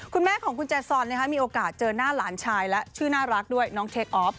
คุณแม่ของคุณแจซอนมีโอกาสเจอหน้าหลานชายและชื่อน่ารักด้วยน้องเทคออฟ